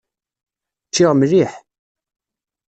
Ččiɣ mliḥ.